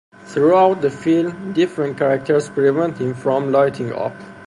Throughout the film, different characters prevent him from lighting up.